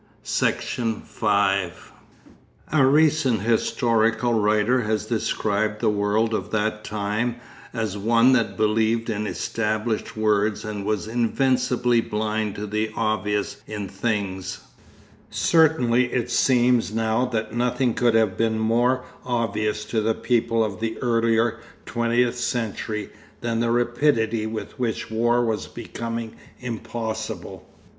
Section 5 A recent historical writer has described the world of that time as one that 'believed in established words and was invincibly blind to the obvious in things.' Certainly it seems now that nothing could have been more obvious to the people of the earlier twentieth century than the rapidity with which war was becoming impossible.